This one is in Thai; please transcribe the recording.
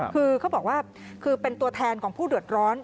คือเขาบอกว่าคือเป็นตัวแทนของผู้เดือดร้อน